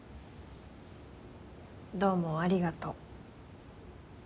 どうもありがとう。